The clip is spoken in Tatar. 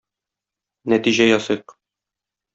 Нәтиҗә ясыйк.